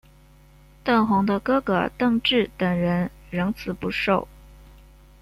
邓弘的哥哥邓骘等人仍辞不受。